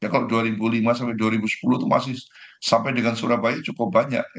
kalau dua ribu lima sampai dua ribu sepuluh itu masih sampai dengan surabaya cukup banyak